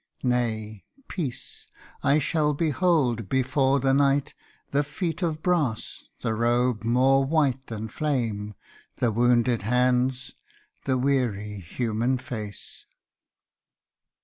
Nay, peace, I shall behold, before the night, The feet of brass, the robe more white than flame, The wounded hands, the weary human face.